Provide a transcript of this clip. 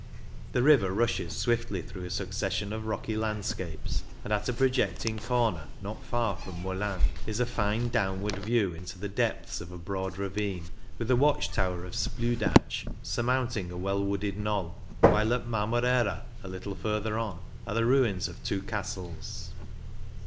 The river rushes swiftly through a succession of rocky landscapes, and at a projecting corner not far from Molins is a fine downward view into the depths of a broad ravine, with the watch tower of Spludatsch sur mounting a well wooded knoll ; while at Marmorera, a little farther on, are the ruins of two castles.